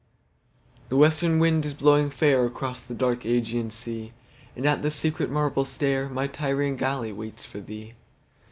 THE WESTERN wind is blowing fairAcross the dark Ægean sea, And at the secret marble stairMy Tyrian galley waits for thee.